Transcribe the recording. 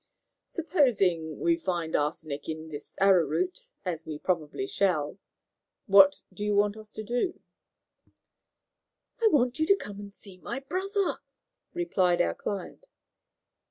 "Supposing we find arsenic in this arrowroot, as we probably shall, what do you want us to do?" "I want you to come and see my brother," replied our client.